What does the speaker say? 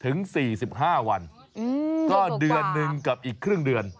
ถึง๔๕วันก็เดือนหนึ่งกับอีกครึ่งเดือน